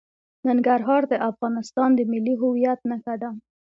ننګرهار د افغانستان د ملي هویت نښه ده.